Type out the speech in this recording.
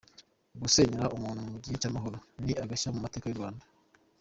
Gusenyera umuntu mu gihe cy’amahoro ni agashya mu mateka y’u Rwanda.